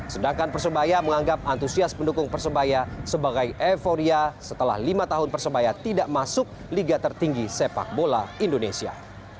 sedangkan persebaya menganggap antusias pendukung persebaya sebagai euforia setelah lima tahun persebaya tidak masuk liga tertinggi sepak bola indonesia